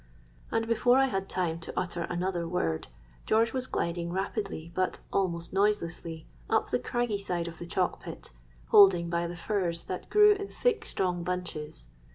'—And before I had time to utter another word, George was gliding rapidly but almost noiselessly up the craggy side of the chalk pit, holding by the furze that grew in thick strong bunches.